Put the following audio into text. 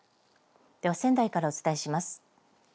では仙台からお伝えします。